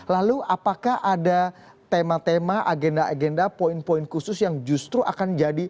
lalu apakah ada tema tema agenda agenda poin poin khusus yang justru akan jadi